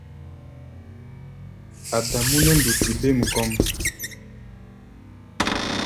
Adamú nɛ́ nduti bêm kɔ́ʼm.